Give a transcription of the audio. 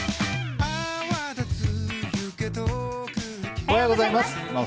おはようございます。